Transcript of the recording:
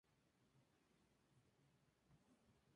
Las bolas del bombo son de boj, una madera ligera y resistente.